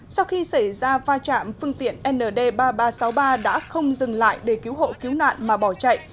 sau khi xảy ra va chạm phương tiện nd ba nghìn ba trăm sáu mươi ba đã không dừng lại để cứu hộ cứu nạn mà bỏ chạy